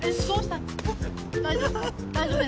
・大丈夫？